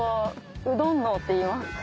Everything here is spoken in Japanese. うどん脳っていいます。